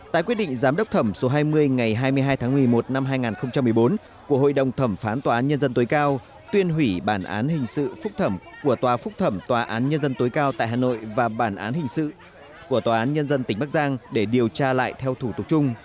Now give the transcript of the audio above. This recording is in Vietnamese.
tại quyết định giám đốc thẩm số hai mươi ngày hai mươi hai tháng một mươi một năm hai nghìn một mươi bốn của hội đồng thẩm phán tòa án nhân dân tối cao tuyên hủy bản án hình sự phúc thẩm của tòa phúc thẩm tòa án nhân dân tối cao tại hà nội và bản án hình sự của tòa án nhân dân tỉnh bắc giang để điều tra lại theo thủ tục chung